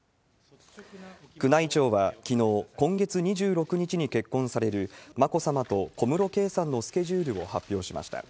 宮内庁はきのう、今月２６日に結婚される眞子さまと小室圭さんのスケジュールを発表しました。